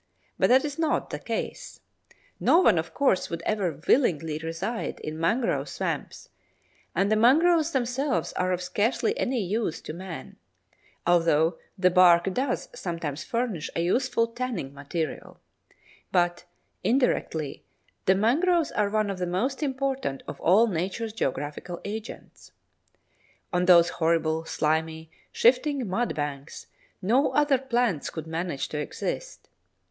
But that is not the case. No one, of course, would ever willingly reside in mangrove swamps, and the mangroves themselves are of scarcely any use to man, although the bark does sometimes furnish a useful tanning material; but, indirectly, the mangroves are one of the most important of all Nature's geographical agents. On those horrible, slimy, shifting mudbanks no other plants could manage to exist.